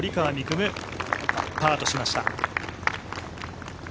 夢、パーとしました。